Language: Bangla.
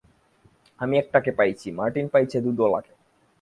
আমি একটা কে পাইছি, মার্টিন পাইছে দুধওয়ালা কে।